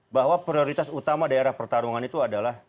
bahwa prioritas utama daerah pertarungan itu adalah